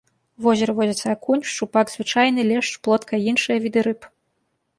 У возеры водзяцца акунь, шчупак звычайны, лешч, плотка і іншыя віды рыб.